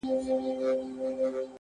اوس به ورته ډېر “ډېر انـتـظـار كوم”